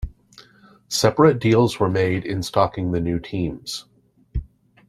Separate deals were made in stocking the new teams.